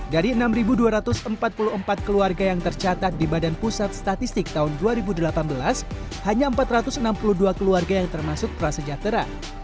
dari enam dua ratus empat puluh empat keluarga yang tercatat di badan pusat statistik tahun dua ribu delapan belas hanya empat ratus enam puluh dua keluarga yang termasuk prasejahtera